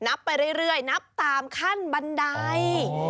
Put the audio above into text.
ไปเรื่อยนับตามขั้นบันได